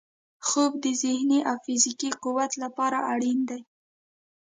خوب د ذهني او فزیکي قوت لپاره اړین دی